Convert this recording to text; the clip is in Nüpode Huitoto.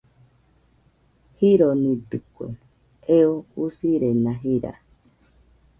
Jironidɨkue, eo usirena jira.